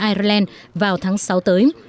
ireland vào tháng sáu tới